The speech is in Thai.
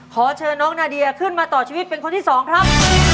ขอเชิญน้องนาเดียขึ้นมาต่อชีวิตเป็นคนที่สองครับ